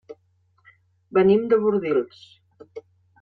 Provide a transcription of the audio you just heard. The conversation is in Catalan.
Venim de Bordils.